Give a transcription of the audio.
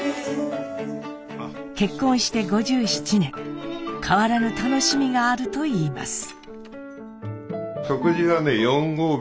結婚して５７年変わらぬ楽しみがあるといいます。